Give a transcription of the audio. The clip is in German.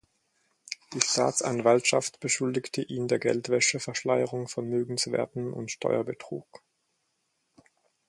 Die Staatsanwaltschaft beschuldigte ihn der Geldwäsche, Verschleierung von Vermögenswerten und Steuerbetrug.